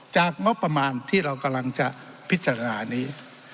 งบประมาณที่เรากำลังจะพิจารณานี้